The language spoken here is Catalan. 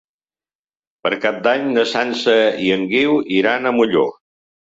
Per Cap d'Any na Sança i en Guiu iran a Molló.